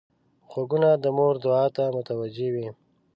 غوږونه د مور دعا ته متوجه وي